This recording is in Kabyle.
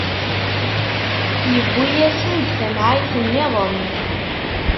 Iwwi-asen-d tamɛayt-nniḍen.